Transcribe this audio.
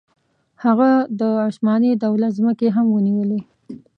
هغه د عثماني دولت ځمکې هم ونیولې.